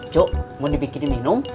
cuk mau dibikinin minum